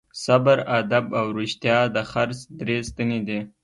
صبر، ادب او رښتیا د خرڅ درې ستنې دي.